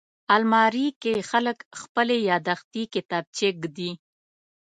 الماري کې خلک خپلې یاداښتې کتابچې ایږدي